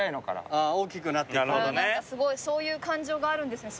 あら何かすごいそういう感情があるんですね